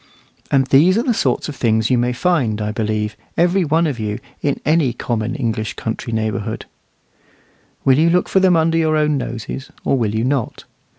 And these are the sort of things you may find, I believe, every one of you, in any common English country neighbourhood. Will you look for them under your own noses, or will you not?